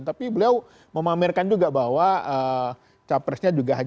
tapi beliau memamerkan juga bahwa capresnya juga